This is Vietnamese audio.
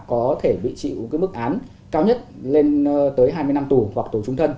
có thể bị chịu cái mức án cao nhất lên tới hai mươi năm tù hoặc tù trung thân